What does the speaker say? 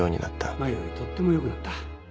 前よりとってもよくなった